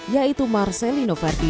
yaitu marcelino verdi